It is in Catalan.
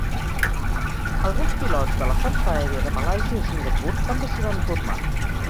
Alguns pilots de la Força Aèria de Malàisia i Singapur també s'hi van formar.